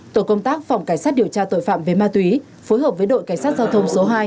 tổ công tác phòng cảnh sát điều tra tội phạm về ma túy phối hợp với đội cảnh sát giao thông số hai